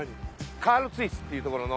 「カールツァイス」っていうところの。